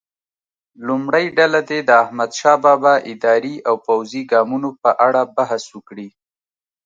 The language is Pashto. لومړۍ ډله دې د احمدشاه بابا اداري او پوځي ګامونو په اړه بحث وکړي.